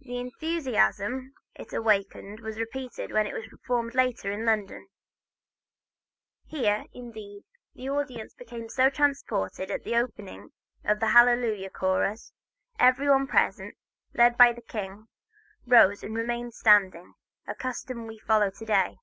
The enthusiasm it awakened was repeated when it was performed later in London. Here, indeed, the audience became so transported that at the opening of the Hallelujah chorus every one present, led by the king, rose and remained standing, a custom we follow to day.